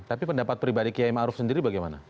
tapi pendapat pribadi ki ma'ruf sendiri bagaimana